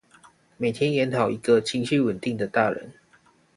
每天演好一個情緒穩定的大人